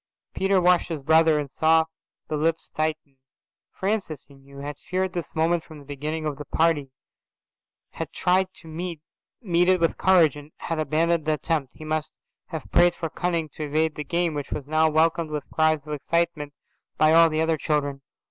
Peter watched his brother and saw the lips tighten. Francis, he knew, had feared this moment from the beginning of the party, had tried to meet it with courage and had abandoned the attempt. He must have prayed for cunning to evade the game, which was now welcomed with cries of excitement by all the other children.